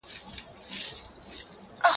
کېدای سي يادونه ستونزي ولري!